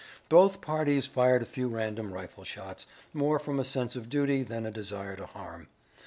Both parties fired a few random rifle shots, more from a sense of duty than a desire to harm.